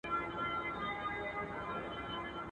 کرنه د صبر غوښتنه کوي.